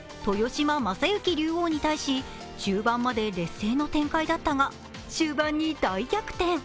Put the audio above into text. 豊島竜王に対し中盤まで劣勢の展開だったが終盤に大逆転。